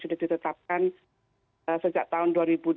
sudah ditetapkan sejak tahun dua ribu dua puluh